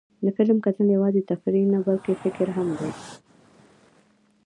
د فلم کتل یوازې تفریح نه، بلکې فکر هم دی.